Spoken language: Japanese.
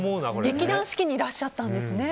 劇団四季にいらっしゃったんですね。